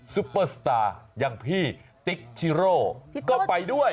ซุปเปอร์สตาร์อย่างพี่ติ๊กชิโร่ก็ไปด้วย